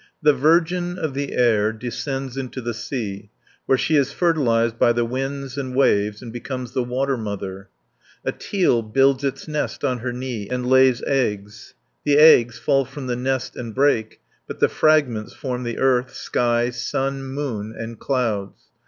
The Virgin of the Air descends into the sea, where she is fertilized by the winds and waves and becomes the Water Mother (103 176). A teal builds its nest on her knee, and lays eggs (177 212). The eggs fall from the nest and break, but the fragments form the earth, sky, sun, moon and clouds (213 244).